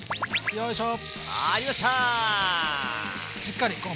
よいしょ。